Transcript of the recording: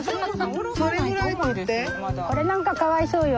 これなんかかわいそうよ。